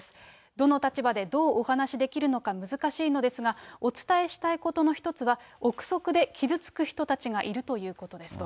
どの立場でどうお話しできるのか難しいのですが、お伝えしたいことの一つは、臆測で傷つく人たちがいるということですと。